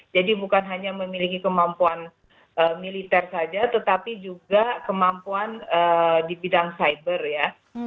bukan hanya memiliki kemampuan militer saja tetapi juga kemampuan di bidang cyber ya